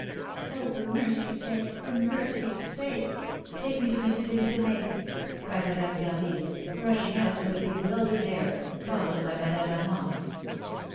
"Oh, for mercy's sake for mercy's sake, take me to M. de Lucenay!" cried Madame d'Harville, rushing out with a bewildered air, followed by Madame Armand.